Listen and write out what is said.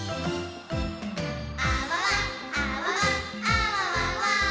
「あわわあわわあわわわ」